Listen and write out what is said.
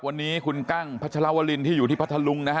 วันนี้คุณแก้งพลวลินที่อยู่ที่พระทะลุง